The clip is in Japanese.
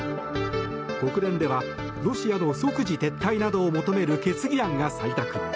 国連ではロシアの即時撤退などを求める決議案が採択。